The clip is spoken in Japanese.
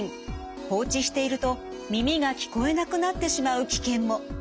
放置していると耳が聞こえなくなってしまう危険も。